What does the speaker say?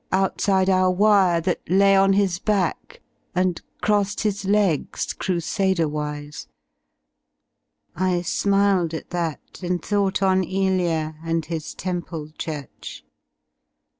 Outside our wire, that lay on his back and crossed His legs Crusader wpse; I smiled at that. And thought on Elia and his Temple Church.